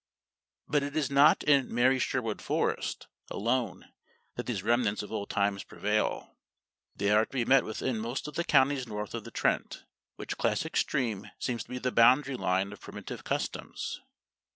But it is not in "merry Sherwood Forest" alone that these remnants of old times prevail. They are to be met with in most of the counties north of the Trent, which classic stream seems to be the boundary line of primitive customs.